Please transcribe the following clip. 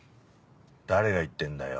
誰が言ってんだよ。